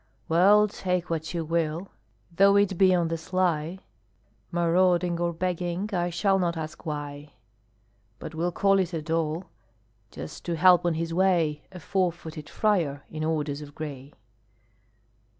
Well, take what you will, though it be on the sly, Marauding or begging, I shall not ask why, But will call it a dole, just to help on his way A four footed friar in orders of gray!